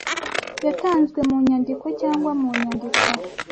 yatanzwe mu nyandiko cyangwa mu nyandiko